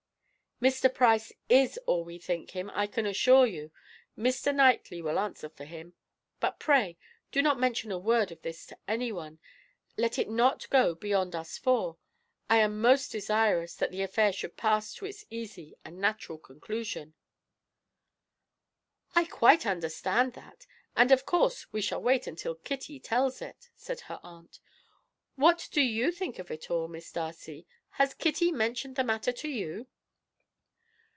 "Mr. Price is all we think him, I can assure you; Mr. Knightley will answer for him. But, pray, do not mention a word of this to anyone; let it not go beyond us four; I am most desirous that the affair should pass to its easy and natural conclusion." "I quite understand that, and of course we shall wait until Kitty tells us," said her aunt. "What do you think of it all, Miss Darcy? Has Kitty mentioned the matter to you?"